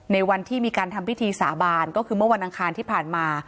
ในวันที่มีการทำพิธีสาบานก็คือเมื่อวันอังคารที่ผ่านมา